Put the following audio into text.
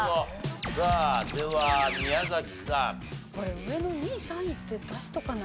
さあでは宮崎さん。これ上の２位３位って出しとかないと。